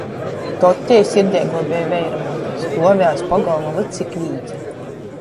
Tod tei sirdeiguo beja veiramuote. Stuovēja iz pogolma vyds i klīdze.